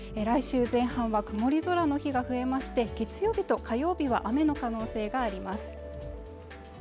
来週前半は曇り空の日が増えまして月曜日と火曜日は雨の可能性があります